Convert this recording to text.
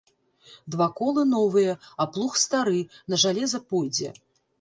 Два колы новыя, а плуг стары, на жалеза пойдзе.